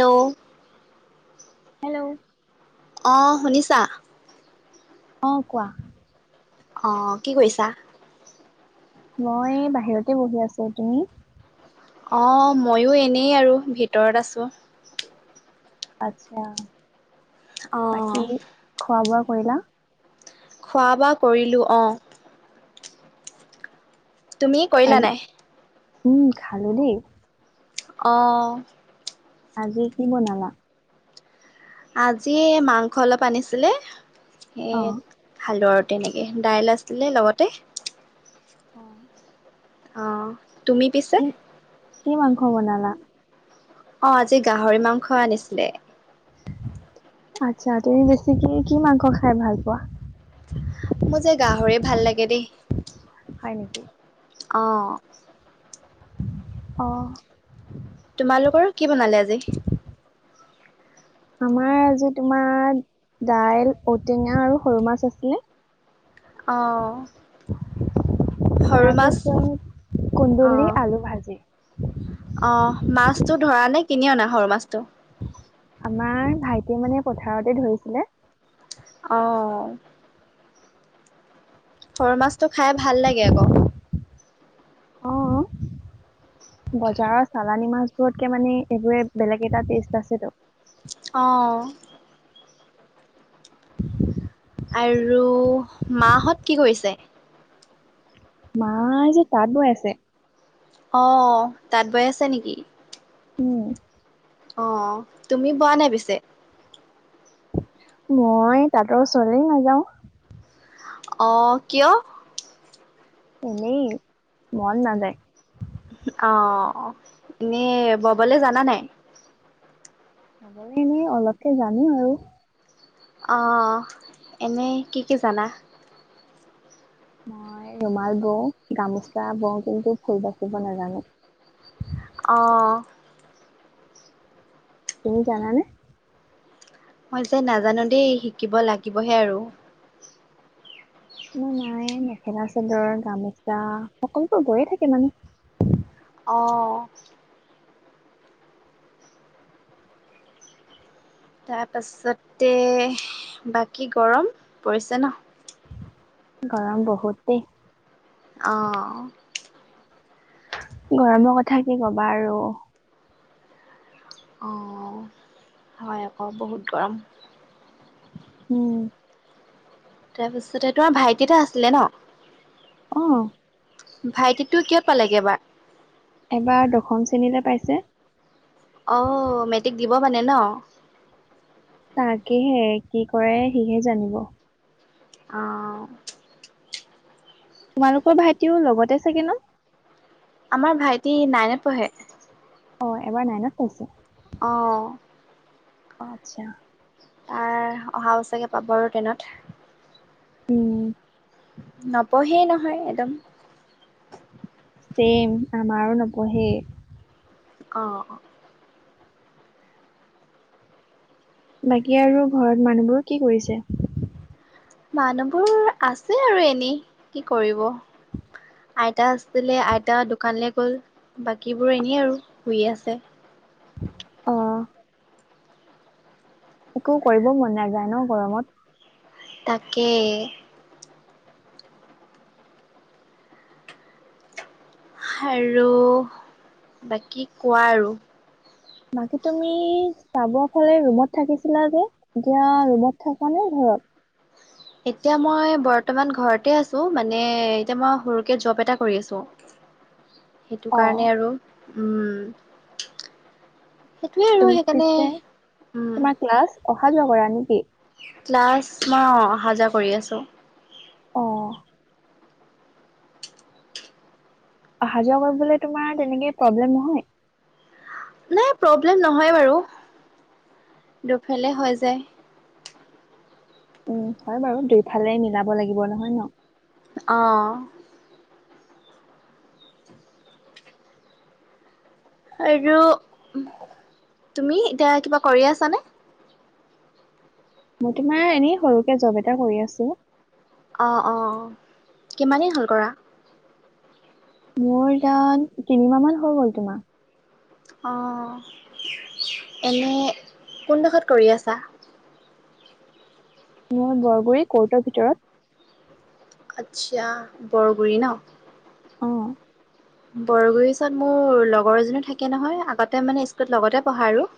তৌ হেল্ল' অ শুনিছা? অ কোৱা অহ কি কৰিছা মই বাহিৰতে বহি আছো তুমি অহ ময়ো এনেই আৰু ভিতৰত আছো আচ্ছা অঁ বাকী খোৱা বোৱা কৰিলা খোৱা বোৱা কৰিলোঁ অহ তুমি কৰিলা আজি নাই উম খালো দেই অঁহ আজি কি বনালা আজি মাংস অলপ আনিছিলে সেয়ে অ খালো আ তেনেকে দাইল আছিলে লগতে অহ অহ তুমি পিছে কি মাংস বনালা অহ আজি গাহৰি মাংস আনিছিলে আচ্ছা তুমি বেছিকে কি মাংস খাই ভাল পোৱা মো যে গাহৰি ভাল লাগে দেই হয় নিকি অঁহ অঁহ তোমালোকৰ কি বনালে আজি আমাৰ আজি তোমাৰ দাইল ঔটেঙা আৰু সৰু মাছ আছিলে অহ। তাৰ পাছত কুন্দলি, আলু ভাজি। অহ মাছতটো ধৰা নে কিনি অনা সৰু মাছটো। আমাৰ ভাইটিয়ে মানে পথাৰতে ধৰিছিলে। অঁহ ঘৰ মাছটো খাই ভাল লাগে আক অ বজাৰৰ চালানী মাছবোৰতকে মানে এইবোৰে বেলেগ এটা টেষ্ট আছে ত অহ [unintelligible] আৰু মা হত কি কৰিছে মাই যে তাঁত বৈ আছে অহ তাঁত বৈ আছে নিকি উম অহ তুমি বোৱা নাই পিছে মই তা-ত ওচৰলেই নাযাওঁ অহ কিয় এনেই মন নাযায় অহ এনে ববলে জানা নাই ববলে এনেই অলপকে জানো আৰু অঁ--হ, এনেই কি কি জানা? মই ৰুমাল বওঁ, গামোচা বওঁ কিন্তু ফুল বাচিব নাজানোঁ। অঁ তুমি জানা নে? মই যে নাজানোঁ দেই শিকিব লাগিবহে আৰু আমাৰ মায়ে [unintelligible] মেখেলা- চাদৰ, গামোচা সকলোবোৰ বয়ে থাকে মানে। অঁ তাৰপাছতে, বাকি গৰম পৰিছে ন'? গৰম বহুতে দেই। অ অ। গৰমৰ কথা কি কবা আৰু। অ, হয় আক বহুত গৰম। ও তাৰপিছতে, তোমাৰ ভাইটি এটা আছিলে ন? অ। ভাইটিটো কিহত পালেগে এইবাৰ? এইবাৰ দশম শ্ৰেণীলে পাইছে। অহ, মেট্ৰিক দিব মানে ন? তাকেহে কি কৰে সিহে জানিব। আও। তোমালোকৰ ভাইটিওঁ লগতে চাগে ন? আমাৰ ভাইটি নাইনত পঢ়ে। অ, এইবাৰ নাইনত পাঢ়িছে? অ। আচ্ছা। তাৰ অহা বছকে পাব আৰু ট্ৰেনত। ও। নপঢ়েই নহয় একদম। চেম আমাৰো নপঢ়েই। অ অ। বাকি আৰু ঘৰত মানুহবোৰ কি কৰিছে? মানুহবোৰ আছে আৰু এনেই কি কৰিব। আইতা আছিল [unintelligible] আইতা দোকানলে গ'ল। বাকীবোৰ এনেই আৰু শুই আছে। অ। একো কৰিব মন নাযায় ন গৰমত? তাকে। আৰু বাকি কোৱা আৰু? বাকি তুমি, চাবোৱাফালে ৰুমত থাকিছিলা যে এতিয়া ৰুমত থাকা নে ঘৰত? ঘত। এতিয়া মই বৰ্তমান ঘৰতে আছোঁ। মানে এতিয়া মই সৰুকে জব এটা কৰি আছোঁ। সেইটো অ কাৰণে আৰু, উম। সেইটোৱে আৰু তুমি সেইকাৰণে, পিছে উম। তোমাৰ ক্লাছ অহা যোৱা কৰা নেকি? ক্লাছ মই অহা-যোৱা কৰি আছোঁ। অহ। অহা যোৱা কৰিবলে তোমাৰ তেনেকে প্ৰব্লেম নহয়? নাই, প্ৰব্লেম নহয় বাৰু। দুফালে হৈ যায়। উম, হয় বাৰু দুইফালে মিলাব লাগিব নহয় ন? অ। আৰু তুমি এতিয়া কিবা কৰি আছানে? মই তোমাৰ এনেই সৰুকে জব এটা কৰি আছোঁ। অ অ। কিমানদিন হ'ল কৰা? মোৰ তাত তিনিমাহ মান হৈ গ'ল তোমাৰ। অ এনে কোনডোখৰত কৰি আছা? মই বৰগুৰি কৰ্টৰ ভিতৰত। আচ্ছা বৰগুৰি ন। অ বৰগুৰি ওচত মোৰ লগৰজনী থাকে নহয় আগতে মানে স্কুত লগতে পঢ়া আৰু। [inaudible]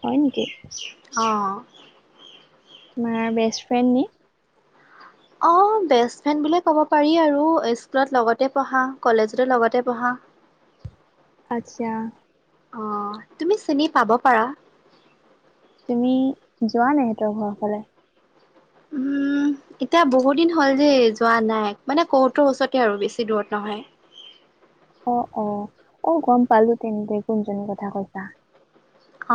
হয় নেকি? অ। তোমাৰ বেষ্ট ফ্ৰেণ্ড নি? অ, বেষ্ট ফ্ৰেণ্ড বুলিয়ে ক'ব পাৰি আৰু স্কুলত লগতে পঢ়া, কলেজতো লগতে পঢ়া। [unintelligible] আচ্ছা। অ, তুমি চিনি পাব পাৰা। তুমি যোৱা নে সিহঁতৰ ঘৰৰ ফালে? উম এতিয়া বহুত দিন হ'ল যে যোৱা নাই। মানে কৰ্টৰ ওচৰতে আৰু বেছি দূৰত নহয়। [inaudible] অ-অ, অ গম পালো তেন্তে কোনজনীৰ কথা কৈছা। অ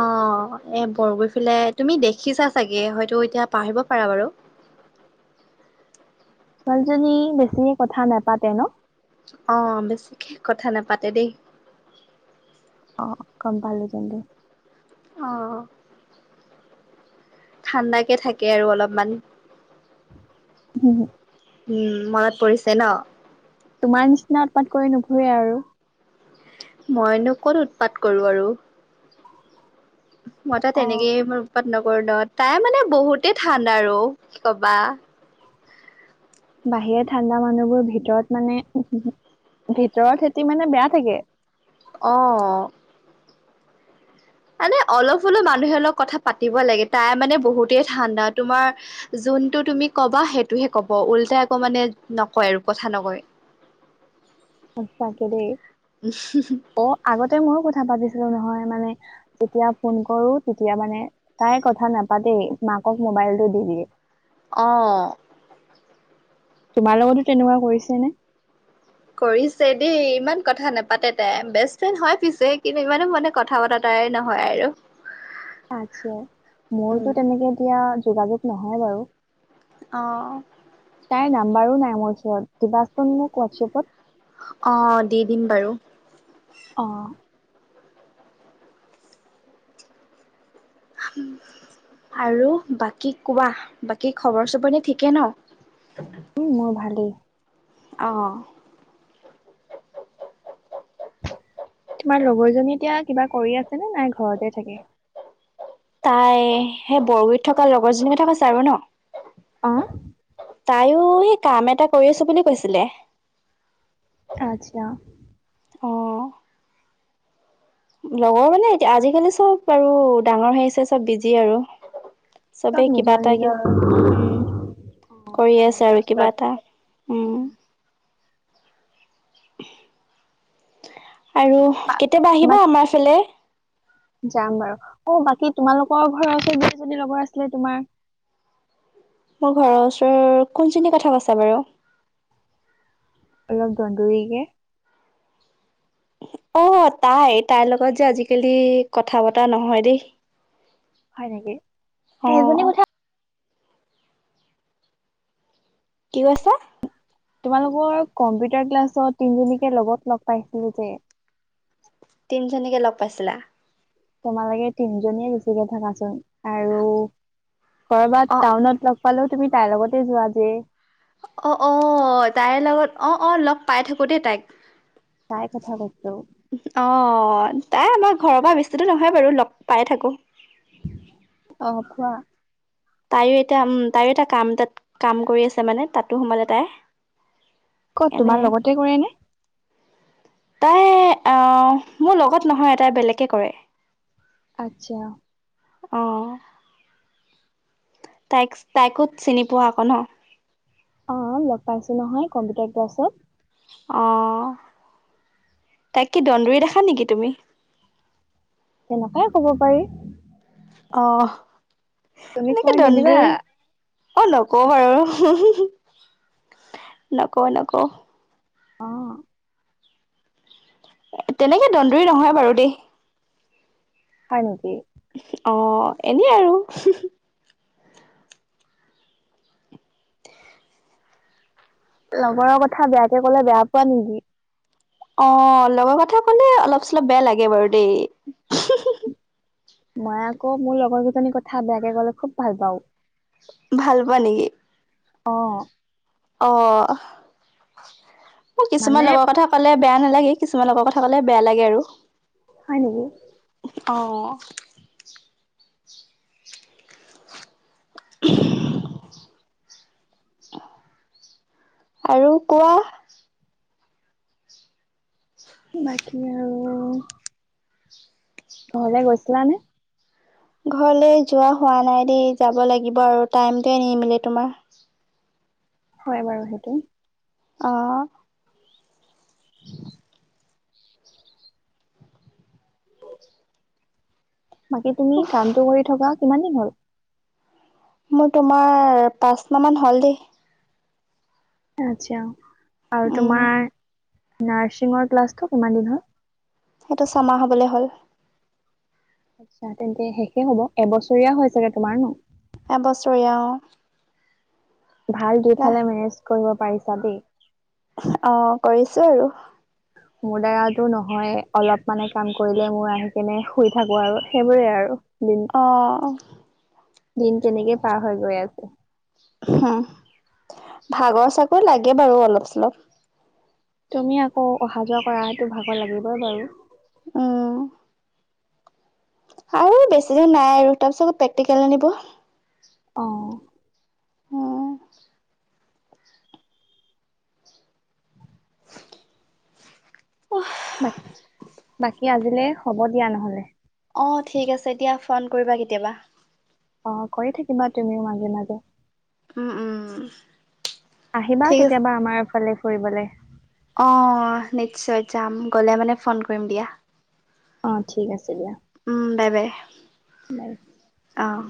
এ বৰগুৰি ফালে, তুমি দেখিছা চাগে। হয়তো এতিয়া পাহৰিব পাৰা বাৰু। [inaudible] ছোৱালীজনী বেছিকে কথা নাপাতে ন? অ, বেছিকে কথা নাপাতে দেই। অ, গম পালো তেন্তে। অ। ঠাণ্ডাকে থাকে আৰু অলপমান। [unintelligible] উম, মনত পৰিছে ন? তোমাৰ নিচিনা উৎপাত কৰি নুফুৰে আৰু। মইনো ক'ত উৎপাত কৰো আৰু? মই তা অ তেনেকেই ইমান উৎপাত নগৰ নত তাই মানে বহুতে ঠাণ্ডা আৰু কি কবা। বাহিৰে ঠাণ্ডা মানুহবোৰ ভিতৰত মানে ভিতৰত সেতি মানে বেয়া থাকে। অঅ। মানে অলপ হলেও মানুহে লগ কথা পাতিব লাগে। তাই মানে বহুতেই ঠাণ্ডা। তোমাৰ যোনটো তুমি কবা সেইটোহে ক'ব। উল্টাই আকৌ মানে নকয় আৰু কথা নকয়। [unintelligible] দেই। অ আগতে ময়ো কথা পাতিছো নহয় মানে যেতিয়া ফোন কৰো তেতিয়া মানে তাই কথা নাপাতেই। মাকক ম মোবাইলটো দি দিয়ে। অ। তোমাৰ লগতো তেনেকুৱা কৰিছেনে? কৰিছে দেই। ইমান কথা নাপাতে তাই। বেষ্ট ফ্ৰেণ্ড হয় পিছে, কিন্তু ইমানো মান কথা পতা তা তাই নহয় আৰু। আচ্ছা, মোৰটো উম তেনেকে এতিয়া যোগাযোগ নহয় বাৰু। অ। তাইৰ নাম্বাৰো নাই মোৰ ওচৰত। দিবাচোন মোক হোৱাটছএপত। অ, দি দিম বাৰু। অ। [unintelligible] আৰু বাকী কোৱা, বাকী খবৰ চবৰ নি ঠিকে ন? উম, মোৰ ভালেই। অ। তোমাৰ লগৰ জনী এতিয়া কিবা কৰি আছেনে, নাই ঘৰতে থাকে? তাই সেই বৰগুৰিত থকা লগৰজনীৰ কথা কৈছে আৰু ন? অ? তাইও সেই কাম এটা কৰি আছো বুলি কৈছিলে। আচ্ছা। অ। লগৰ মানে এতিয়া আজি-কালি চব আৰু ডাঙৰ হৈ আহিছে, চব বিজি আৰু। চব চবেই কিবা নিজৰ নিজৰ তাগেট, উম। অ কৰি কামত আছে আৰু ব্যস্ত কিবা এটা, উম। আৰু বা কেতিয়াবা আহিবা বাক আমাৰ ফালে। যাম বাৰু। অ, বাকী তোমালোকৰ ঘৰৰ ওচৰৰ যিজনী লগৰ আছিলে তোমাৰ মোৰ ঘৰৰ ওচৰৰ, কোনজনী কথা কৈছা বাৰু? অলপ দন্দুৰিকে। অ, তাই? তাইৰ লগত যে আজি-কালি কথা-বতৰা নহয় দেই। হয় নেকি? অ। সেইজনী কথা কি কৈছা? তোমালোকৰ কম্পিউটাৰ ক্লাছত তিনজনীকে লগত লগ পাইছিলো যে। কেনেকে লগ পাইছিলা? তোমালোকে তিনজনীয়ে বেছিকে থাকাচোন আৰু কৰবাত অ টাউনত লগ পালেও তুমি তাইৰ লগতে যোৱা যে। অ-অ, তাইৰ লগত। অ-অ লগ পাই থাকো দেই তাইক। চাই কথা [unintelligible] অ, তাই আমাৰ ঘৰৰ পৰা বেছি দূৰ নহয় বাৰু, লগ পাই থাকো। [inaudible] অ, খোৱা। তাইও এতিয়া উম তাইও এটা কাম এতাত কাম কৰি আছে মানে, তাতো সোমালে তাই। ক'ত এনে তোমাৰ লগতে কৰে নে? তাই আহ মোৰ লগত নহয়, তাই বেলেগকে কৰে। আত্চ্ছা। অ। তাইক তাইকো চিনি পোৱা আক ন? অ, লগ পাইছো নহয় কম্পিউটাৰ ক্লাছত। অহ, তাইক কি দন্দুৰী দেখা নেকি তুমি? তেনেকাই কব পাৰি। অহ তুমি তেনেকে কৈ নিদিবা দন্দুৰী অ, লগৰ আৰু [unintelligible] লগৰ, লগৰ। অ। এ তেনেকে দন্দুৰী নহয় বাৰু দেই। হয় নেকি? অ, এনেই আৰু। লগৰৰ কথা বেয়াকে কলে বেয়া পোৱা নেকি? অ, লগৰ কথা কলে অলপ চলপ বেয়া লাগে বাৰু দেই। মই আকৌ মোৰ লগৰ কেইজনীৰ কথা বেয়াকে ক'লে খুব ভাল পাওঁ। ভাল পোৱা নেকি? অ। অ, মোক মানে কিছুমান লগৰ কথা ক'লে বেয়া নালাগে, কিছুমান লগৰ কথা ক'লে বেয়া লাগে আৰু। হয় নেকি? অঁ। [inaudible] আৰু কোৱা। বাকী আৰু ঘৰলে গৈছিলানে? ঘৰলে যোৱা হোৱা নাই দ যাব লাগিব আৰু টাইমটোৱে নিমিলে তোমাৰ। হয় বাৰু সেইটো। অহ। বাকী তুমি কামটো কৰি থকা কিমান দিন হ'ল? মোৰ তোমাৰ পাঁচ মাহ মান হ'ল দেই। আত্চ্ছা আৰু উম তোমাৰ নাৰ্ছিঙৰ ক্লাছটো কিমান দিন হ'ল। সেইটো ছামাহ হবলে হ'ল। আচ্ছা তেন্তে শেষে হব এবছৰীয়া হৈ চাগে তোমাৰ ন? এ বছৰীয়া অ। ভাল দুফালে মেনেজ কৰিব পাৰিছা দেই। অ কৰিছোঁ আৰু। মোৰ দ্বাৰাটো নহয় অলপ মানে কাম কৰিলে মোৰ আহি কিনে শুই থাকো আৰু সেইবোৰে আৰু। দিন অহ। দিন তেনেকে পাৰ হৈ গৈ আছে। হম ভাগৰ চাগৰ লাগে বাৰু অলপ চলপ। তুমি আকৌ অহা যোৱা কৰাটো ভাগৰ লাগিবই বাৰু। উম। আৰু বেছি দিন নাই আৰু তাৰপিছত প্ৰেক্টিকেল আনিব। অ। অ। বাক বাকী আজিলে হব দিয়া নহলে। অ ঠিক আছে এতিয়া ফোন কৰিবা কেতিয়াবা। অ কৰি থাকিবা তুমিও মাজে মাজে। উম উম। আহিবা ঠিক আছে কেতিয়াবা আমাৰ ফালে ফুৰিবলে। অ নিশ্চয় যাম গলে মানে ফোন কৰিম দিয়া। অ ঠিক আছে দিয়া। উম বাই বাই। ওলাই। অহ